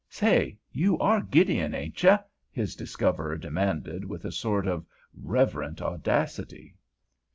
"Say, you are Gideon, ain't you?" his discoverer demanded, with a sort of reverent audacity.